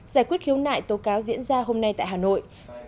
giải quyết khiếu nại tố cáo diễn ra hôm nay tại hà nội